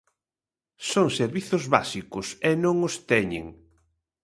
Son servizos básicos e non os teñen.